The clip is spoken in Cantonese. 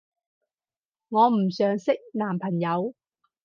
我唔想識男朋友